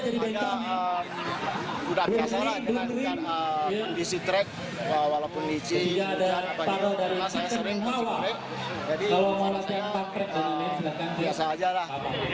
jadi kalau malah saya park track di sini biasa aja lah